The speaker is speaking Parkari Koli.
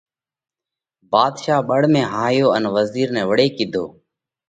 ڀاڌشا ٻۯ ۾ هاهيو ان وزِير نئہ وۯي ڪِيڌو: